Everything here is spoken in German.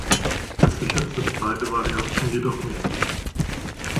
Gesichert sind beide Varianten jedoch nicht.